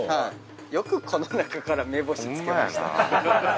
よくこの中から目星付けましたね。